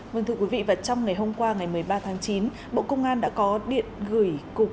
vâng thưa quý vị và trong ngày hôm qua ngày một mươi ba tháng chín bộ công an đã có điện gửi cục